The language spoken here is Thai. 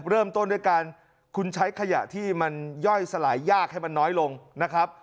เริ่มต้นด้วยการคุณใช้ขยะที่มันย่อยสลายยากให้มันน้อยลงนะครับ